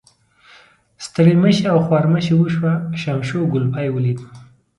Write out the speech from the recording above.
ستړي مشي او خوارمشي وشوه، شمشو کولپۍ ولیده.